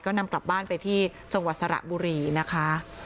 ก็นำกลับบ้านไปที่จังหวัดสระบุรีนะคะ